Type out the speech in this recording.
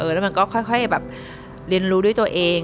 แล้วมันก็ค่อยแบบเรียนรู้ด้วยตัวเอง